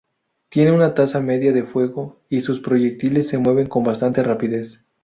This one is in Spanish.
Tiene una tasa media de fuego, y sus proyectiles se mueven con bastante rapidez.